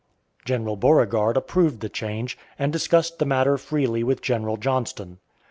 General Beauregard approved the change, and discussed the matter freely with General Johnston.